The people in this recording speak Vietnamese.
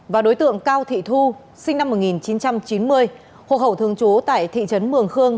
và đối tượng cao thị thu sinh năm một nghìn chín trăm chín mươi hộ khẩu thường trú tại thị trấn mường khương